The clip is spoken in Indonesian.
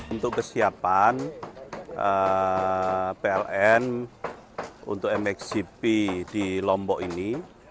untuk kesiapan pln untuk mxgp di lombok ini